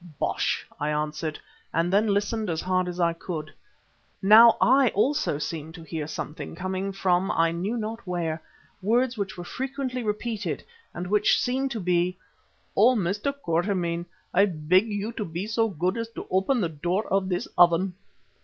"Bosh!" I answered, and then listened as hard as I could. Now I also seemed to hear something coming from I knew not where, words which were frequently repeated and which seemed to be: "_O Mr. Quatermain, I beg you to be so good as to open the door of this oven.